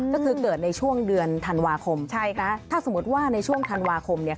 ก็คือเกิดในช่วงเดือนธันวาคมใช่ค่ะถ้าสมมุติว่าในช่วงธันวาคมเนี่ย